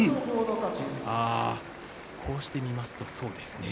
こうして見ますとそうですね。